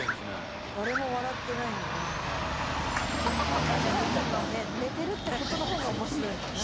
お母さんがね寝てるってことの方が面白いんだな。